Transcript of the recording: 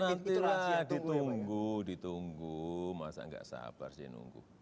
nanti lah ditunggu ditunggu masa enggak sabar sih nunggu